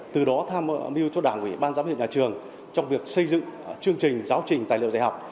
từ đó tham mưu cho đảng ủy ban giám hiệu nhà trường trong việc xây dựng chương trình giáo trình tài liệu dạy học